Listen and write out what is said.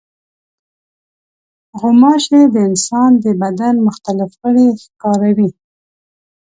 غوماشې د انسان د بدن مختلف غړي ښکاروي.